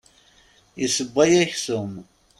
Isewway aksum.